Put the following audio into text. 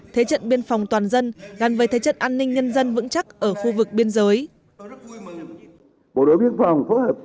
thế trận biên phòng toàn dân gắn với thế trận an ninh nhân dân vững chắc ở khu vực biên giới